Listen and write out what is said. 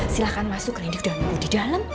silahkan masuk rendy udah nunggu di dalam